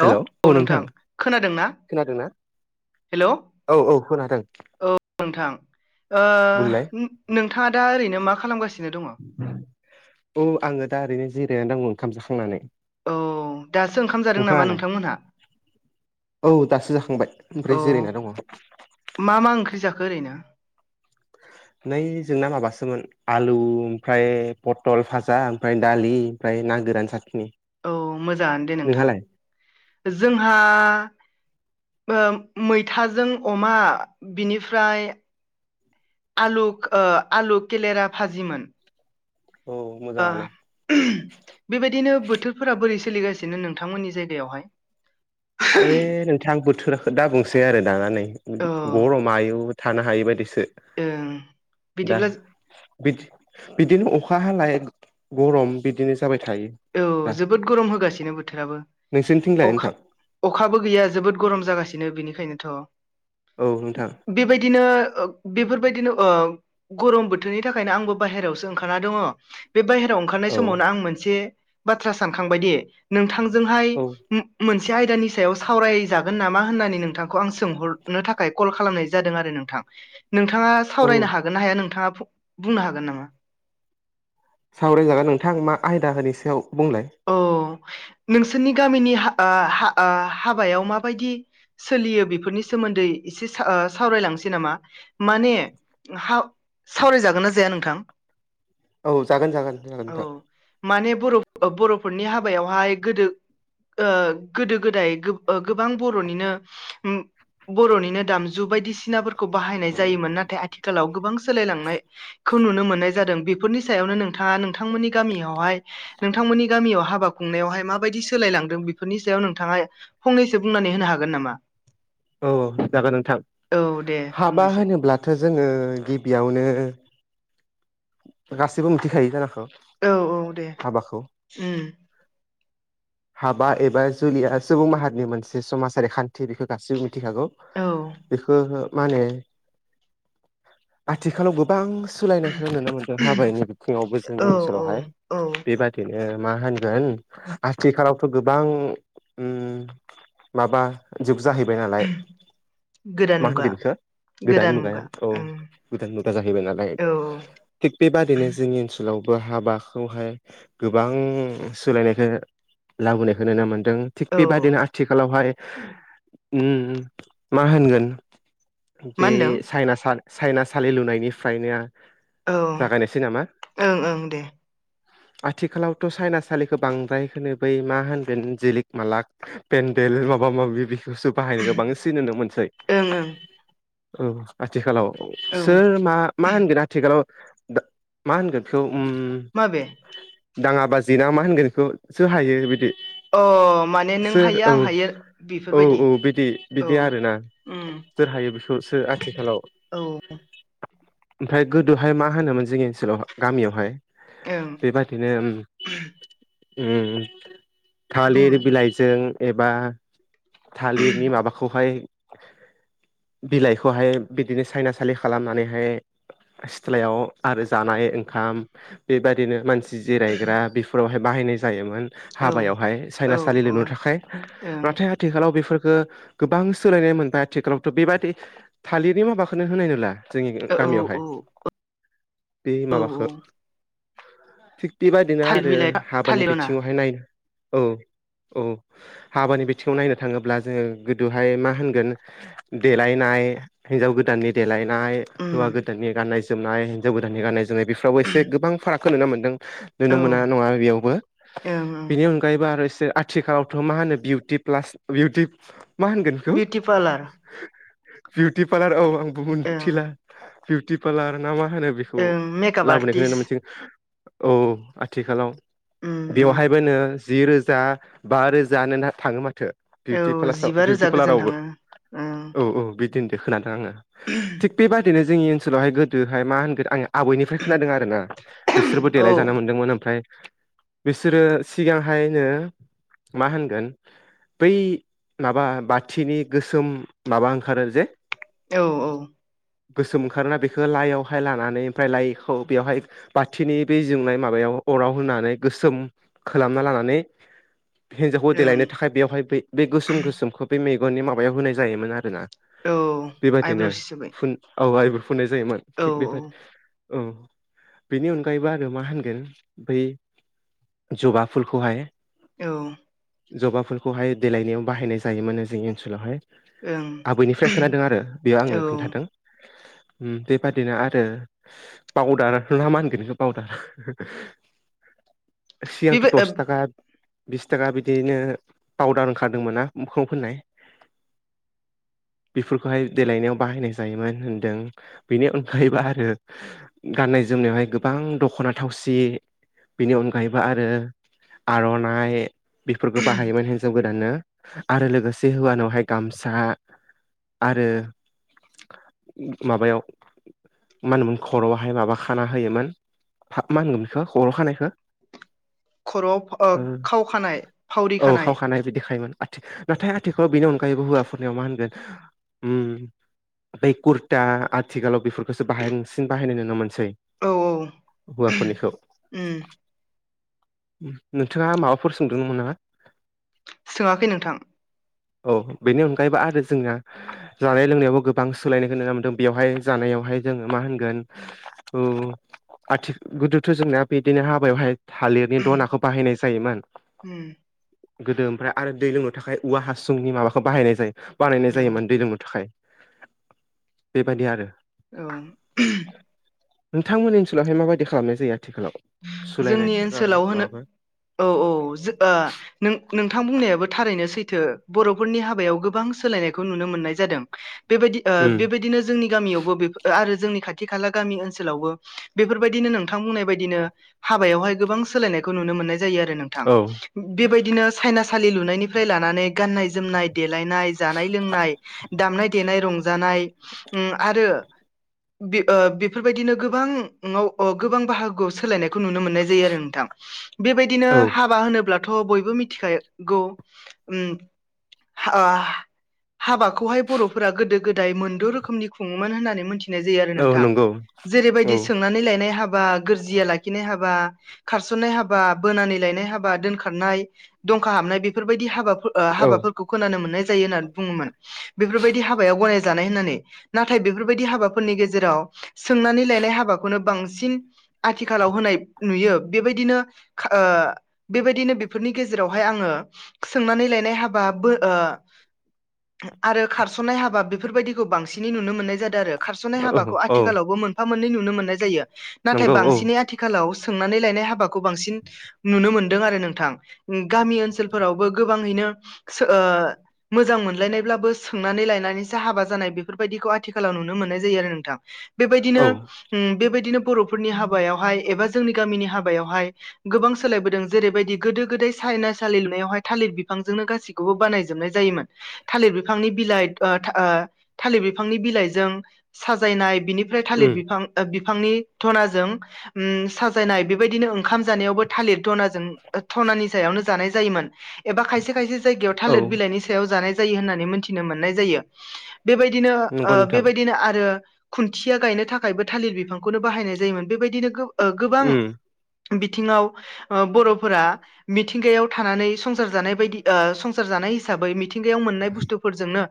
हेल' औ नोंथां खोनादों ना? खोनादोंना हेल' औ औ खोनादों नोंथां ओ बुंलाय नों थाङा दा ओरैनो मा खालामगासि औ आङो दा ओरैनो जिरायनानै दं ओंखाम जाखांनानै। औ दासो ओंखाम जादों नामा नोंथाङालाय नोंथांमोनहा? औ दासो जाखांबाय औ ओमफ्राय जिरायना दङ मा मा ओंख्रि जाखो ओरैनो? [inaudible] नै जोंना माबासोमोन आलु ओमफ्राय पटल फाजा ओमफ्राय दालि ओमफ्राय ना गोरान साख औ मोजाङानो दे नोंथां जोंहा ओ मैथाजों अमा बिनिफ्राय आलक ओ आलु केेलेरा भाजिमोन। औ ओ मोजाङानो बेबायदिनो बोथोरफोरा बोरै सो सोलिगासिनो नोंथांमोननि जायगायावहाय? ओइ नोंथां बोथोराखौ दा बुंसै आरो दाना नै औ गरम आयु थानो हायै बायदिस। ओं बिदिब्ला बिदि बिदिनो अखा हालाय ग'रम बिदिनो जाबाय थायो दा औ जोबोद ग'रम होगासिनो बोथोराबो नोंसोरनिथिंलाय अखा नोंथां अख खाबो गैया जोबोद ग'रम जागासिनो बिनिखायनोथ' औ नोंथां बेबायदिनो [unintelligible] बेफोरबायदिनो ओ ग'रम बोथोरनि थाखायनो आंबो बाहेरावसो ओंखारना दङ। बे बायहेराव ओंखारनाय औ समावनो आं मोनसे बाथ्रा सानखांबाय दे नों थां जोंहाय औ [unintelligible] मोन से आयदानि सायाव सावरायजागोन नामा होननानै नोंथांखौ आं सोंहरनो थाखाय कल खालामनाय जादों आरो नोंथां। नोंथाङा औ सावरायनो हागोन ना हाया नोंथाङा बुंनो हागोन नोङो। सावरायजागोन नोंथां मा आयदा होनि सायाव बुंलाय औ नोंसोरनि गामिनि हा ओ हा ओ हाबायाव माबायदि सोलियो बेफोरनि सोमोन्दै एसे सा ओ सावरायलांनोसै नामा माने हा सावरायजागोन ना जाया नोंथां? औ जागोन जागोन औ [unintelligible] माने बर' बर'फोरनि हाबायावहाय गोदो ओ गोदो गोदाय गोब ओ गोबां बर'निनो उम बर'निनो दामजु बायदिसिनाफोरखौ बाहायनाय जायोमोन नाथाय आथिखालाव गोबां सोलायलांनाय खौ नुनो मोननाय जादों बेफोरनि सायावनो नोंथाङा नोंथांमोननि गामियावहाय नोंथांमोननि गामियाव हाबा खुंनायावहाय माबायदि सोलायलांदों बिफोरनि सायाव नोंथाङा फंनैसो बुंनानै होनो हाग गोन नामा? औ जागोन नोंथां औ दे हाबा बुंनोसै होनोब्लाथ' जोङो गिबियावनो गासिबो मिथिखायो जानांगौ? औ औ दे हाबाखौ उम। [inaudible] हाबा एबा जुलिया सुबुं माहारिनि मोनसे समाजारि खान्थि बेखौ गासिबो मिथिखागौ। औ बेखो हो मा होनो आथिखालाव गोबां सोलाय हो नुनो मोनदों हाबायनि बिथिङावबो जोंनि औ औ ओनसोलावहाय औ बेबादिनो। ओ मा होनगोन आथिखालावथ' गोबां उम माबा जुग जाहैबाय नालाय गोदान मा मुगा होनगोन इखो गोदान मुगा औ गोदान मुगा जाहैबाय नालाय औ थिग बेबादिनो जोंनि ओनसोलाव बो हाबाखौहाय गोबां सोलायनायखौ लाबोनायखौ नुनो मोन दों थिग औ बेबायदिनो आथिखालावहाय उम मा होनगोन मा बे होनदों साइनासा-साइनासालि लुनायनिफ्रायनो औ जागायनोसै नामा ओं ओं दे आथिखालावथ' साइनासालिखौ बांद्राय होनो बै मा होनगोन जिलिक मालाक पेन्देल बे माबा माबि खौसो बाहायनोखौ बांसिन नुनो मोनसै ओं ओं औ आथिखालाव औ सोर मा मा होनगोन आथिखालाव मा होनगोन बेखौ माबे? दाङाबाजि ना मा होनगोन बेखौ सो हायो बिदि अ माने नों सोर हायो औ आं हायो औ बेफोरबायदि औ बिदि औ बिदि आरोना। उम सोर हायो बेखौसो आथिखालाव औ ओमफ्राय गोदोहाय मा होनोमोन जोंनि ओनसोलाव गामियावहाय ओं बेबादिनो उम थालिर बुंनो बिलाइजों एबा थालिरनि माबाखौहाय बिलाइखौहाय बिदिनो सायनासालि खालामनानैहाय सिथ्लायाव आरो जानाय ओंखाम बेबायदिनो मानसि जिरायग्रा बेफोरावहाय बाहायनाय जायोमोन। औ हाबायावहाय औ साइनासालि औ लुनो ओं थाखाय औ नाथाय आथिखालाव बेफोर गोबां सोलायनाय मोनबाय आथिखालावथ' बेबादि थालिरनि माबाखौनो होनाय नुला। जोंनि औ गामियावहाय औ बे औ औ माबाखो थिग बेबायदिनो थालिर आरो बिलाइ हाबानि थालिरना बिथिङावहाय नाय औ औ हाबानि बिथिङाव नायनो थाङोब्ला जोङो गोदोहाय मा होनगोन देलायना हिनजाव गोदाननि देलायनाय उम हौवा गोदाननि गाननाय जोमनाय हिनजाव गोदाननि गाननाय जोमनाय बेफोरावबो एसे गोबां फारागखौ नुनो मोनदों। नुनो औ मोना नङा बेयावबो ओं ओं बेनि अनगायैबो आरो आथिखालावथ' मा होनो बिउटिप्लास बिउटि पालार बिउटि पालार औ आंबो ओं मिथिला बिउटि पालार नामा मा होनो बेखौ ओं मेकाप लाबोनायखौ नुनो आर्टिस्ट मोनसिनो औ आथिखालाव उम उम बेवहायबोनो जि रोजा बा रोजानो थाङो माथो। औ बिउटिप्लासाव जिबा बिउटि रोजा गोजान पालारावबो थाङो ओं औ औ बि खोनादों आङो थिग बेबायादिनो जोंनि ओनसोलावहाय गोदोहाय मा होनगोन आङो आबैनिफ्राय खोनादों आरो ना बिसोरबो औ देलायजानो मोन्दोंमोन ओमफ्राय बिसोरो सिगांहायनो मा होनगोन बै माबा बाथिनि गोसोम माबा ओंखारो जे औ औ गोसोम ओंखारोना बेखौ लाइयावहाय लानानै ओमफ्राय लाइखौ बेवहाय बाथिनि बे जोंनाय माबायाव अराव होनानै गोसोम खालामना लानानै हिनजावखौ ओं देलायनो थाखाय बेवहाय बे गोसोम गोसोमखौ बे मेगननि माबायाव होनाय जायोमोन आरो ना औ आइब्रस हिसाबै औ आइब्रु फोननाय जायोमोन थिग बेबायादि औ बेनि अनगायैबो आरो मा होनगोन बै जबा फुलखौहाय औ। जबा फुलखौहाय देलायनायाव बाहायनाय जायोमोनो जोंनि ओनसोलावहाय। ओं आबैनिफ्राय खोनादों आरो बेयाव औ आंनो खोन्थादों। [inaudible] बेबादिनो आरो पावदार ना मा होनगोन नों बावदार [inaudible] सिगांथ' बेबो ओ दस थाखा बिस थाखा बिदिनो पाउदार ओंखारदोंमोना मोखांआव फोननाय। बेफोरखौहाय देलायनायाव बाहायनायसै [unintelligible] होनदों बेनि अनगायैबो आरो गननाय जोमनायाव हाय गोबां दखना थाव सि बेनि अनगायैबो आरो आरनाइ बेफोरखौ बाहायोमोन हिनजाव गोदाननो आरो लोगोसे हौवानावहाय गामसा आरो माबायाव मा होनोमोन खरआवहाय माबा खाना होयोमोन मा होनगोन बेखौ खर खानायखौ खर'आव ओ खाव खानाय फावरि औ खानाय खावखानायबो देखायोमोन आथि नाथाय आथिखालाव बेनि अनगायैबो हौवाफोरनियाव मा होनगोन उम बै कुरता आथिखालाव बेफोरखौसो बासिंन बाहायनाय नुनो मोनसै औ औ। हौवाफोरनिखौ उम नोंथांङा माबाफोर सोंदोंमोन नामा? सोंङाखै नोंथां। औ बेनि अनगायैबो आरो जोंनिया जानाय लोंनायावबो गो गोबां सोलायनायखौ नुनो मोनदों बेयावहाय जानायावहाय जोङो मा होनगोन ओ आथि गोदोथ जोंनाया बिदिनो हाबायावहाय थालिरनि दनाखौ बाहायनाय जायोमोन। उम। गोदो ओमफ्राय आरो दै लोंनो थाखाय औवा हासुंनि माबाखौ बाहायनाय जायो बानायनाय औ जायोमोन दै लोंनो थाखाय। बेबायदि आरो। औ। नोंथांमोननि ओनसोलावहाय माबायदि खालामनाय जायो आथिखालाव? जोंनि सुलायनायफोर आरो ओनसोलाव होनो माबाफोर औ औ ओ नोंथां बुंनायाबो थारैनो सैथो बरफोरनि हाबायाव गोबां सोलायनायखौ नुनो मोननाय जादों। उम बेबायदिनो जोंनि गामियावबो बे आरो जोंनि खाथि खाला गामि ओनसोलावबो बेफोरबायदिनो नोंथां बुंनाय बायदिनो हाबायावहाय गोबां सोलायनायखौ नुनो मोननाय जायो आरो नोंथां। औ बेबायदि बिदिनो सायनासालि लुनायनिफ्राय लानानै गाननाय जोमनाय देलायनाय जानाय लोंनाय दामनाय देनाय रंजानाय आरो ओ बेफोरबायदिनो गोबां बाहागोआव सोलायनाय नुनो मानाय जायो आरो नोंथां। बे बादिनो औ हाबा होनोब्ल थ बयबो मिथिखागौ उम ओ हाबाखौहाय बरफोरा गोदो गोदाय मोनद रोखोमनि खुङोमोन होननानै मिथि मिथिनाय जायो आरो‌ औ नोंथां नंगौ जेरैबायदि औ सोंनानै लनाय हाबा गोरजिया हाब खारसनाय हाबा बोनानै लायनाय हाबा दोनखारनाय दंखा हाबनाय बेफोरबायदि हाबा औ हाबाफोरखौ खोनानो मोननाय जायो होननानै बुङोमोन बेफोरबायदि हाबायाव गनाय जानाय होननानै नाथाय बेफोरबायदि हाबाफोरनि गेजेराव सोंनानै लायनाय हाबाखौनो बांसिन आथि आथिखालाव होनाय नुयो बेबायदिनो बेफोरनि गेजेरावहाय आंङो सोंनानै लायनाय हाबा आरो खारसनाय हाबा बेफोरबायदि खौ बांसिनै नुनो मोननाय जादों आरो खारसनाय औ हाबाखौ औ आथिखालावबो मोनफा मोननै नुनो मोननाय जायो। नाथाय नंगौ औ। बांसिनै आथिखालाव सोंनानै लायनाय हाबाखौ बांसिन नुनो मोनदों आरो नोंथां गामि ओनसोलफोरावबो गोबांङैनो ओ मोजां मोनलायनायब्लाबो सोंनानै लायनानैसो हाबा जानाय बेफोर‌बायदि आथिखालाव नुनो मोननाय जायो आरो नोंथां बेबायदिनो औ बेबायदिनो बर'फोरनि हाबायावहाय एबा जोंनि गामिनि हाबायावहाय गोबां सोलायबोदों जेरैबायदि गोदो गोदाय सायना सालि लुनायावहाय थालिर बिफांजों गासैखौबो बानाय जोबनाय जायोमोन थालिर बिफांनि बिलाइ ओ ओ थालिर बिफांनि बिलाइ जों साजायनाय बिनिफ्राय थालिर उम उम साजायनाय बेबायदिनो ओंखाम जानायावबो थालिर धनाजों धनानि सायावनो जानाय जायोमोन। एबा खायसे खायसे जायगायाव औ थालिर बिलाइनि सायाव जानाय जायो होननानै मोनथिनो मोननाय जायो। बेबायदिनो ओ नंगौ नोंथां बेबायदिनो आरो खुन्थिया गायनो थाखायबो थालिर बिफांखौनो बाहायनाय जायोमोन। बेबायदिनो गो ओ गोबां उम बिथिङाव ओ बर'फोरा मिथिंगायाव थानानै संसार जानाय बायदि ओ संसार जाना नाय हिसाबै मिथिंगायाव मोननाय बुुस्थुफोरजोंनो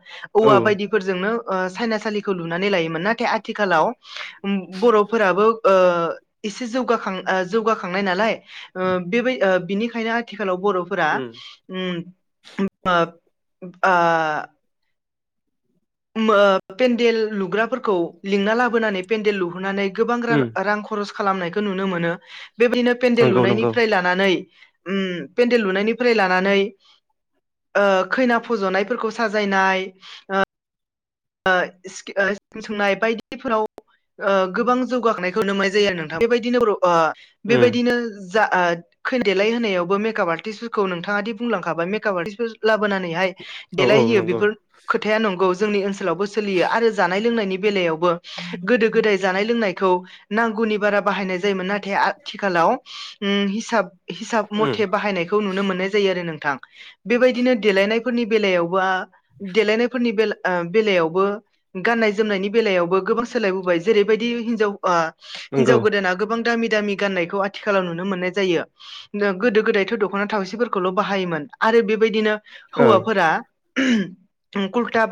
औ औवा बायदिफोरजोंनो ओ सायनासालिखौ लुनानै लायोमोन नाथाय आथिखालाव ओ इसे जौगाखां ओ जौगाखांनाय नालाय ओ बेबाय ओ बिनिखायनो आथिख खालाव बर'फोरा उम उम ओ आ उमओ पेन्देल लुग्राफोरखौ लिंना लाबोनानै पेन्देल लुहोननानै गोबां रान उम रां खरस खालामनायखौ नुनो मोनो बेबायदिनो पेन्डेल नंगौ नंगौ लुनायनिफ्राय लानानै उम पेन्डेल लुनायनिफ्राय लानानै ओ खैना फज'नायफोरखौ साजायनाय ओ ओ सोंनाय बायदिफोराव ओ गोबां जौगाखांनायखौ नुनो मोननाय जायो आरो नोंथां बेबायदिनो बर' ओ उम बेबायदिनो जा ओ खैना देलाय होनायावबो मेकाप आर्टिस्टफोरखौ नोंथाङा दि बुंलांखाबाय मेकआप आर्टिस्टफोर लाबोनानैहाय औ औ देलायहैयो नंगौ बेफोर खोथाया नंगौ जोंनि ओनसोलावबो सोलियो आरो जानाय लोंनायनि बेलायाव बो गोदो गोदाय जानाय लोंनाय खौ नांगौनि बारा बाहायनाय जायोमोन नाथाय आथिखालाव उम हिसाब हिसाब उम मथे बाहायनायखौ नुनो मोननाय जायो आरो नोंथां। बेबायदिनो देलायनायफोरनि बेलायावबा देलायनायफोरनि बेल उम बेलायावबो गान्नाय जोमनायनि बेलायावबो गोबां सोलायबोबाय जेरैबायदि हिनजाव ओ नंगौ हिनजाव गोदाना गोबां दामि दामि गाननायखौ आथिखालाव नुनो मोननाय जायो गोदो गोदायथ' दख'ना थावसिफोर आरो बेबायदिनो औ हौवाफोरा कुर्टा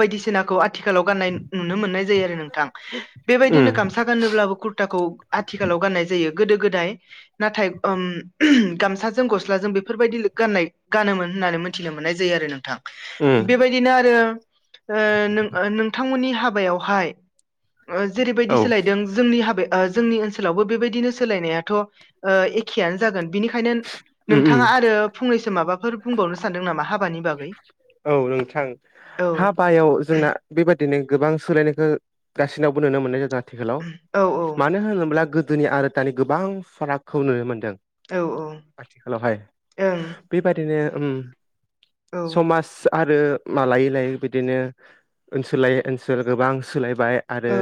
आथिखालाव गानाय नुनो मोननाय जायो आरो नोंथां बेबायदिनो उम गामसा गानोब्लाबो कुर्टाखौ आथिखाल लाव गाननाय जायो यो गोदो गोदाय नाथाय ओम गामसाजों गस्लाजों बेफोरबायदिल' गाननाय गानो। मोन होननानै मोनथिनो मोननाय जायो आरो नोंथां। उम बेबायदिनो आरो ओ नों नोंथांमोननि हाबायावहाय औ जेरैबायदि सोलायदों जोंनि हाबाया ओ जोंनि ओनसोलावबो बेबायदिनो सोलायनायाथ' ओ एखेयानो जागोन बिनिखायनो उम उम नोंथाङा आरो फंनैसो माबाफोर बुंबावनो सानदों नामा हाबानि बागै औ नोंथां औ हाबायाव जोंना बेबायदिनो गोबां सोलायनायखौ गासिनावबो नुनो मोन्नाय जादों। आथिखालाव औ मानो होनोब्ला गोदोनि आरो दानि गोबां फारागखौ नुनो मोन्दों। औ ओं आथिखालावहाय औ बेबायदिनो उम औ समाज आरो मा लायै लायै बिदिनो ओनसोलायै ओनसोल गोबां सोलाय बाय आरो औ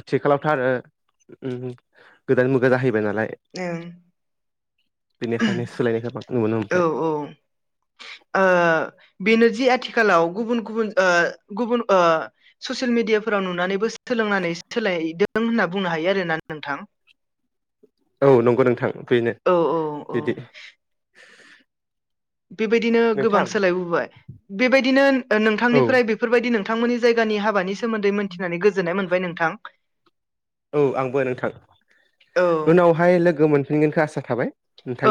आथिखालावथ' आरो उम गोदान मुगा जाहै बायनालाय बेनिखायनो सोलायनायखौ गोबां नुनो औ मोनबाय। जि आथिखालाव गुबुन गुबुन ओ गुबुन ओ ससियेल मिडिया फोराव नुनानैबो सोलायदों होनना बुंनो हायो आरोना नोंथां। औ नंगौ नोंथां बेनो औ औ बिदि बेबायदिनो गोबां नोंथां सोलायबोबाय बेबायदिनो औ नोंथांनिफ्राय बेफोरबायदि नों नोंथांमोननि जायगानि हाबानि सोमोन्दै मोनथिनानै गोजोननाय मोनबाय नोंथां। औ आंबो नोंथां औ उनावहाय लोगो मोनफिनगोनखो आसा थाबाय।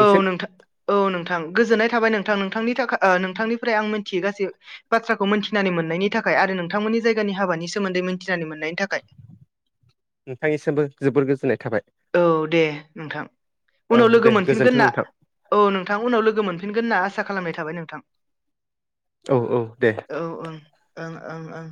औ नोंथां औ नोंथां गोजोननाय थाबाय नोंथां नोंथानि थाखा ओह नोंथांनिफ्राय आं मिथियो गासै बाथ्राखौ मोनथिनानै मोननायनि थाखाय आरो नोंथांमोन नि जायगानि हाबानि सोमोन्दै मोनथिनानै मोननायनि थाखाय। नोंथांनिसिमबो जोबोर गोजोननाय थाबाय। औ दे नोंथां। औ उनाव दे लोगो मोनफिनगोन गोजोन्थों होनना नोंथां औ नोंथां उनाव लोगो मोनफिनगोन होनना आसा खालामनाय थाबाय नोंथां। औ औ दे नोंथां औ ओम ओं ओं ओं।